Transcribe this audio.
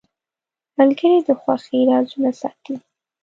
ملګری د خوښۍ رازونه ساتي.